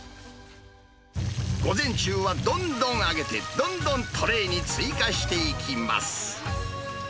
午前中はどんどん揚げて、どんどんトレーに追加していきます。